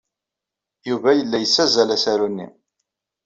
Yuba yella yessazzal asaru-nni.